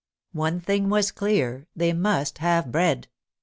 One thing was clear, they must have bread.